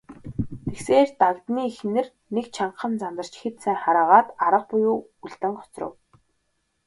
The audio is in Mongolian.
Тэгсээр, Дагданы эхнэр нэг чангахан зандарч хэд сайн хараагаад арга буюу үлдэн хоцров.